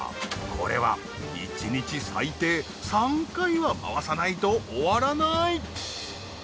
これは１日最低３回は回さないと終わらない！